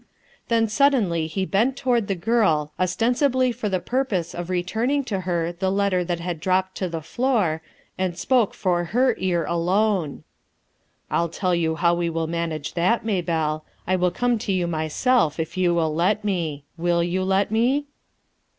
Then suddenly he bent toward thc girl, ostensibly for the purpose of returnin 0, to her the letter that had dropped to the floor, and spoke for her car alone. "I'll tell you how we will manage that, May belle. I will come for you myself, if you will let me. Will you let me?"